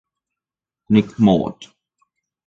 Nik Mohd.